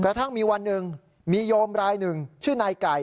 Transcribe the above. กระทั่งมีวันหนึ่งมีโยมรายหนึ่งชื่อนายไก่